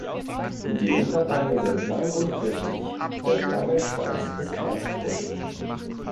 Die Hinterbeine sind lang und kräftig, der lange Schwanz ist leicht buschig.